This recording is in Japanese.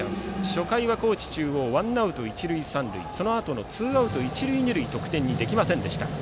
初回は高知中央ワンアウト、一塁三塁そのあとのツーアウト一塁二塁で得点にできませんでした。